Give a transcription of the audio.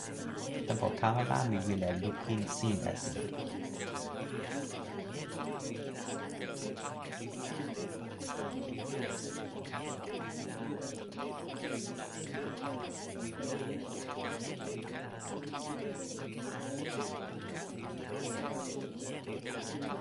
tenpo kama la mi wile lukin sin e sina.